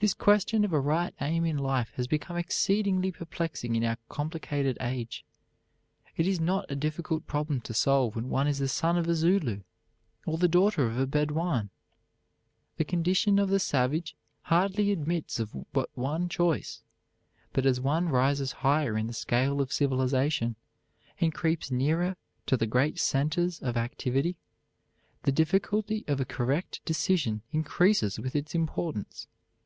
This question of a right aim in life has become exceedingly perplexing in our complicated age. It is not a difficult problem to solve when one is the son of a Zulu or the daughter of a Bedouin. The condition of the savage hardly admits of but one choice; but as one rises higher in the scale of civilization and creeps nearer to the great centers of activity, the difficulty of a correct decision increases with its importance.